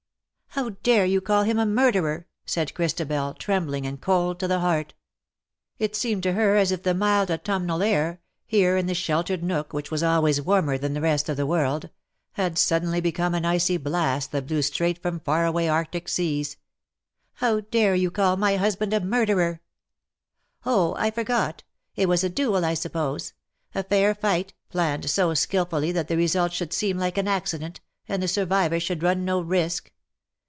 " How dare you call him a murderer ?" said Christabel, trembling, and cold to the heart. It DUEL OR MURDER ? 65 seemed to her as if the mild autumnal air — here in this sheltered nook which was always warmer than the rest of the world — had suddenly become an icy blast that blew straight from far away arctic seas. " How dare you call my husband a murderer T' ^^ Oh_, I forgot. It was a duel^ I suppose : a fair fight, planned so skilfully that the result should seem like an accident^ and the survivor should run no risk.